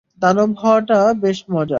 দানব হওয়াটা বেশ মজার।